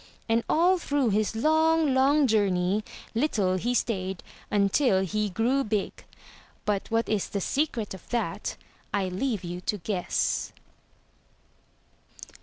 And all through his long, long journey little he stayed until he grew big. But what is the secret of that I leave you to guess.